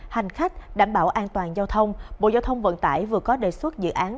hành khách đảm bảo an toàn giao thông bộ giao thông vận tải vừa có đề xuất dự án